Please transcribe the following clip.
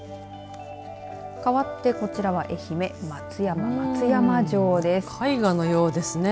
かわって、こちらは愛媛松山、松山城です。